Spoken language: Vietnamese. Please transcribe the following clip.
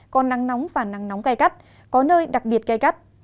có nắng nóng và nắng nóng cay cắt có nơi đặc biệt cay cắt